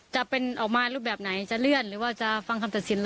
จะเป็นออกมารูปแบบไหนจะเลื่อนหรือว่าจะฟังคำตัดสิน